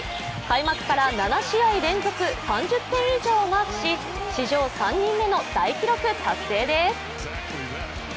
開幕から７試合連続３０点以上マークし、史上３人目の大記録達成です。